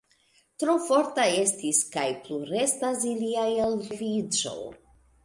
Tro forta estis kaj plu restas ilia elreviĝo.